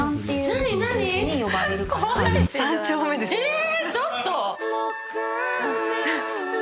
え！